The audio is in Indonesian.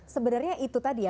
sebenarnya itu tadi ya